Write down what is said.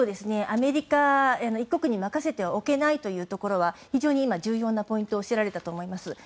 アメリカ一国に任せておけないというところは非常に今、重要なポイントをおっしゃられたと思います。